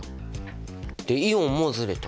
でイオンもずれた。